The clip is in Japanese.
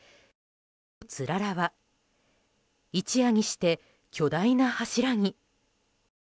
つららは一夜にして巨大な柱に。